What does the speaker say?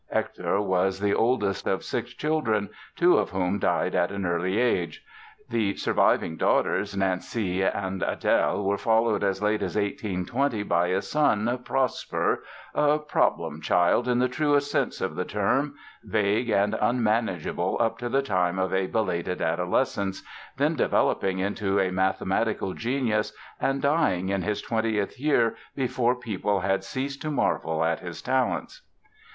Hector was the oldest of six children, two of whom died at an early age. The surviving daughters, Nanci and Adèle, were followed as late as 1820 by a son, Prosper, a "problem child" in the truest sense of the term, vague and unmanageable up to the time of a belated adolescence, then developing into a mathematical genius and dying in his twentieth year before people had ceased to marvel at his talents.